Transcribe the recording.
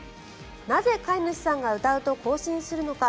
なぜ、飼い主さんが歌うと行進するのか。